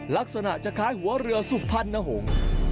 ลักษณะจะคล้ายหัวเรือสุพรรณหงษ์